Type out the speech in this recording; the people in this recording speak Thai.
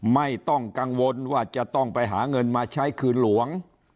ไม่ต้องกังวลว่าจะต้องไปหาเงินมาใช้คืนหลวง